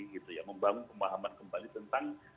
gitu ya membangun pemahaman kembali tentang